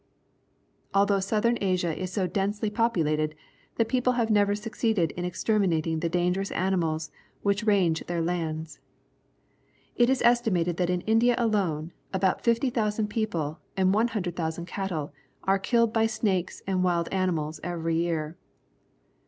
Although Southern A.sia is so densely populated, the people have never succeeded in exterminating the dangerous animals which range their lands. It is estimated that in India alone about 50,000 people and 100,000 cattle are killed by snakes and wild animals every year.